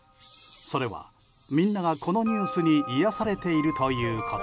それは、みんながこのニュースに癒やされているということ。